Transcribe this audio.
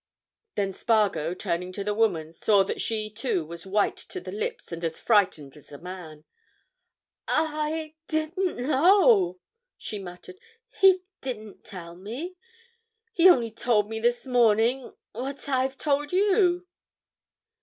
Then Spargo, turning to the woman, saw that she, too, was white to the lips and as frightened as the man. "I—didn't know!" she muttered. "He didn't tell me. He only told me this morning what—what I've told you."